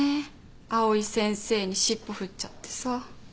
藍井先生に尻尾振っちゃってさ。